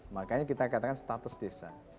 makanya kita katakan status desa